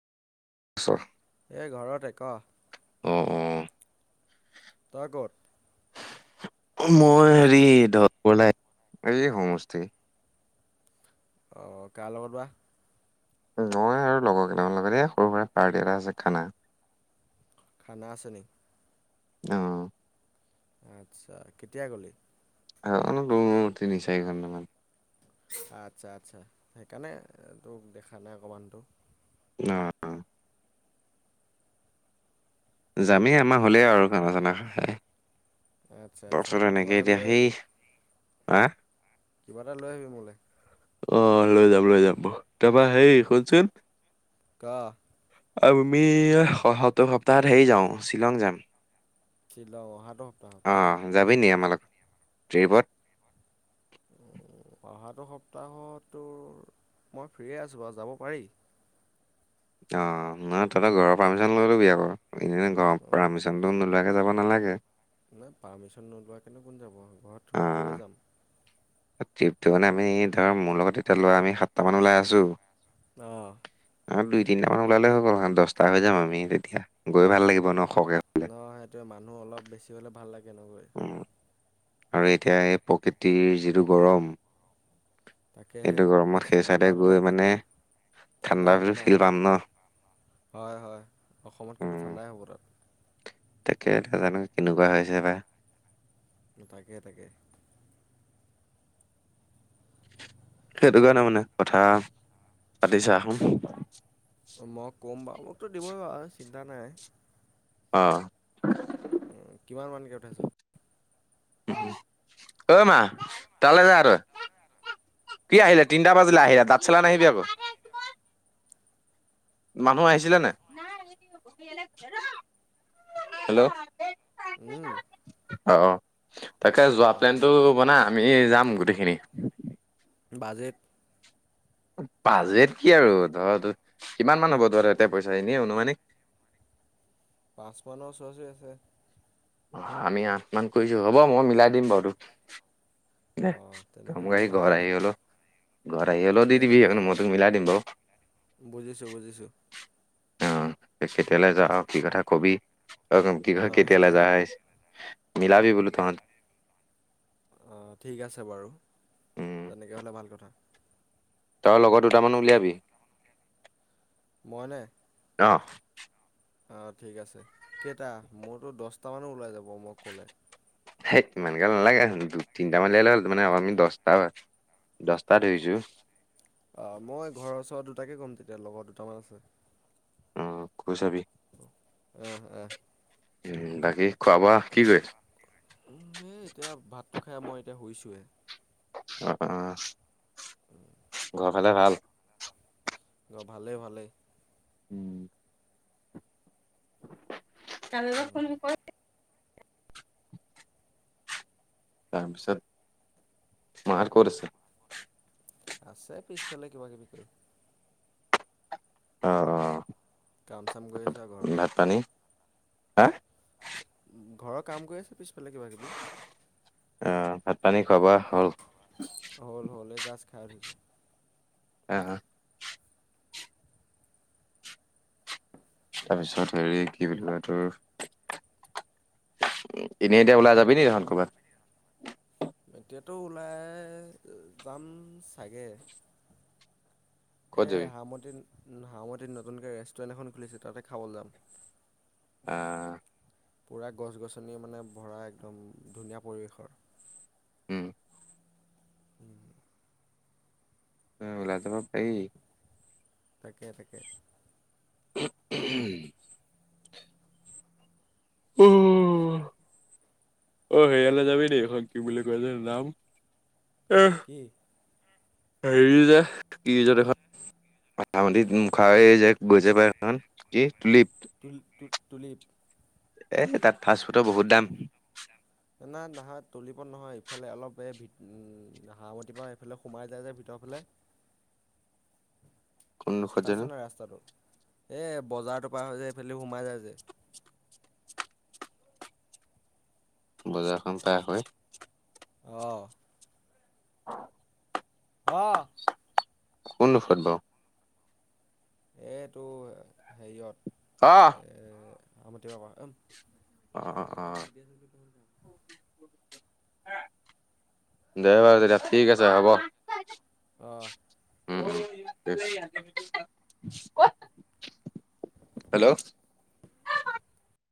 [inaudible] এই ঘৰতে ক'? অ', অ',। তই ক'ত? মই হেৰি [unintelligible] এই সমষ্টি অ', কাৰ লগত বা? মই আৰু লগৰ কেইটামান লগতে এই সৰু সুৰা পাৰ্টি এটা আছে খানা। খানা আছে নি? অ',। আচ্ছা, কেতিয়া গ'লি? [unintelligible] তিনি চাৰি ঘণ্টামান আচ্ছা-আচ্ছা সেইকাৰণে তোক দেখা নাই অকণমানটো। অ',। যামেই আমাৰ হ'লেই আৰু খানা চানা খ খাই। আচ্ছা-আচ্ছা তাৰপিছত কিবা এনেকে এটা এতিয়া লৈ সেই আহিবি। হা কিবা এটা লৈ আহিবি মোলৈ। আহ লৈ যাম। লৈ যাম। তাৰপা হেই অঁ, শুনচোন? ক আমি সত্তৰ সপ্তাহত হেৰি যাও শ্বিলং যাম। শ্বিল অহাটো সপ্তাহ? অ', যাবি নি আমাৰত ট্ৰিপত? অ', অহাটো সপ্তাহততোৰ মই ফ্ৰে আছোঁ বাৰু যাব পাৰি। অ', নহয় ততে ঘৰৰ পাৰ্মিশ্যন ল'লেতো বিয়া কৰ এনে অ'। পচনটো নোলোৱাকে যাব নালাগে। নাই। পাৰ্মিশন নোলোৱাকৈনে কোন যাব ঘৰত অ', গৈয়ে যাম। ট্ৰিপটো মানে আমি ধৰ মোৰ লগত এতিয়া লোৱা আমি সাতটা মান ওলাই আছো। অ' অ', দুই তিনিট মান ওলালে হৈ গল দহটা হৈ যাম আমি তেতিয়া গৈ ভাল লাগিব। ন সৰহকৈ হ'লে ন', সেইটোৱে মানুহ অলপ বেছি হ'লে ভাল লাগে ন গৈ? উম, আৰু এতিয়া এই প্ৰকৃতিৰ যিটো গৰম সেইটো গৰমত সেই তাকেহেছিল চাইডে তাত গৈ অলপ মানে ঠাণ্ডা হ'ব ন হয়-হয় অসমতকৈ উম, ঠাণ্ডাই হ'ব তাত। তাকে এটা জানো কেনেকুৱা হৈছে বা। তাকে-তাকে। সেইটো কাৰণে মানে কথা পাতিছা শোন। মই ক'ম বাৰু মোকতো দিবই বাৰ চিন্তা নাই। অ'। কিমান মমানকে উঠাইছ? ঐ, মা তালৈ যা তই কি, আহিলে তিনিটা বাজিলৈ আহিলে। তাঁত চেলা নাহিবি আকৌ মানুহ আহিছিলোনে হেল্ল' উম' অ', তাকে যোৱা অ'। প্লেনতটো বনাই আমি যাম গোটেইখিনি। বাজেট? পাজত কি আৰু তৰা কিমান মান হ'ব তহ ত ততে পইচা এনে অনুমানিক? পাঁচপন্ন ওচৰা-ওচৰি আছে। অ' আমি আঠ মান কৰিছো হ'ব মই মিলাই দিম বাৰু তোক। এহ অ', তেনেকে কাম হ'লে কৰি‌ ভাল ঘৰত‌ কথা। আহি গলো। ঘৰত আহি হলেও দি তাকে, দিবি তাকে মই অ'। তোক মিলাই দিম বাৰু। বুজিছোঁ, বুজিছোঁ। অ', তই কেতিয়ালৈ যা উম, কি কথা কবি অ' কি ক অ', কেতিয়ালৈ সেইটোৱে। যাৱ মিলাবি বোলো তহঁতে অ' ঠিক আছে বাৰু উম তেনেকে হলে ভাল কথা। তৰ লগৰ দুটামান উলিয়াবি। মই নে? অ' অ', ঠিক আছে কেইটা? মোৰটো দহটামানো ওলাই যাব মই ক'লে হেইত ইমান গাল নালাগে আৰু দুই তিনিটা মান ললে মানে আমি দহটা দহটা ধৰিছোঁ। অ', মই ঘৰৰ ওচৰৰ দুটাকে ক'ম তেতিয়া লগৰ দুটামান আছে। উম কৈ চাবি। অহ অহ উম বাকী খোৱা বোৱা কি কৰিছ? উম হ এতিয়া ভাতটো খাই মই এতিয়া শুইছোৱে। অ', অ' [inaudible] ঘৰ ফালে ভাল? অ', ভালেই ভালেই। [inaudible] তালৈ উম, ফোন কৰিলি তাৰপিছত মাহঁত ক'ত আছে? আছে পিছফালে কিবাকিবি কৰি। অ', অ' কাম চাম কৰি আছা ভাত পানী হা ঘৰৰ ঘৰৰ কাম কৰি আছে পিছ ফালে কিবা কিবি। অ', ভাত পানী খোৱা বোৱা হ'ল? হ'ল হ'ল এই জাষ্ট খাই উঠিছোঁ। অ', অ' তাৰপিছত হেৰি কি বুলি কয় তোৰ এনেই এতিয়া ওলাই যাবিনি তহঁত ক'বাত? এতিয়াটো ওলাই যাম চাগে ক'ত এই যাবি? হামতিত হামতিত নতুনকৈ ৰেষ্টুৰেণ্ট এখন খুলিছে তাতে খাবলৈ যাম। অ' পুৰা গছ গছনি মানে ভৰা একদম ধুনীয়া পৰিৱেশৰ। উম উম ওলাই যাব পাৰি। তাকে তাকে। উম অ', হেৰিয়ালে যাবি নি এইখন কি বুলি কয় যে নাম কি? হেৰি যে কি ৰিজৰ্ট এইখন [unintelligible] [unintelligible] তুল তুলিব এ তাত ফাষ্টফুডৰ বহুত দাম নাই নহয় তুলিবত নহয় ইফালে অলপ ভিত হামতিৰ পৰা সেইফালে সোমাই যায় যে ভিতৰফালে কোনডোখৰত চাইছ জানো নাই ৰাস্তাটো এই বজাৰটো পাৰ হৈ যে এইফালেদি সোমাই যায় যে বজাৰখন পাৰ হয় অ' [inaudible] অ' কোন দখত বাৰু এ'এইটো হেৰিয়ত অ' এ' হামতি মামা উম অ', অ'। অ'। [unintelligible] দে বাৰু তেতিয়া ঠিক আছে হ'ব। অ'। হেল্ল'? [inaudible]